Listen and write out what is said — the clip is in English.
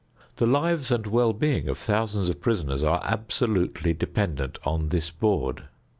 The lives and well being of thousands of prisoners are absolutely dependent on this board.